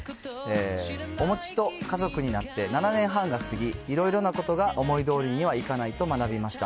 おもちと家族になって７年半が過ぎ、いろいろなことが思いどおりにはいかないと学びました。